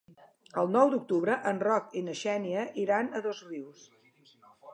El nou d'octubre en Roc i na Xènia iran a Dosrius.